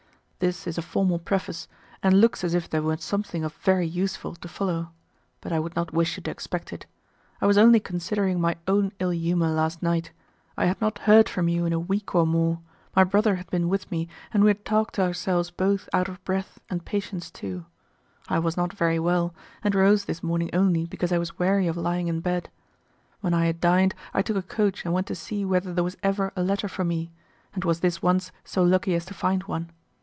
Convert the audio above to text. This is a formal preface, and looks as if there were something of very useful to follow; but I would not wish you to expect it. I was only considering my own ill humour last night, I had not heard from you in a week or more, my brother had been with me and we had talked ourselves both out of breath and patience too, I was not very well, and rose this morning only because I was weary of lying in bed. When I had dined I took a coach and went to see whether there was ever a letter for me, and was this once so lucky as to find one.